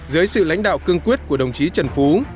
dưới sự lãnh đạo cương quyết của đồng chí trần phú